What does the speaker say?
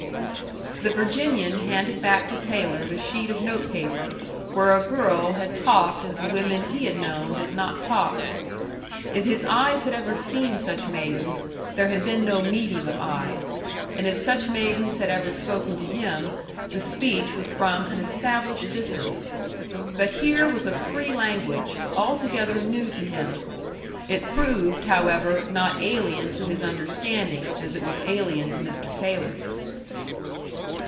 The Virginian handed back to Taylor the sheet of note paper where a girl had talked as the women he had known did not talk. If his eyes had ever seen such maidens, there had been no meeting of eyes; and if such maidens had ever spoken to him, the speech was from an established distance. But here was a free language, altogether new to him. It proved, however, not alien to his understanding, as it was alien to Mr. Taylor's.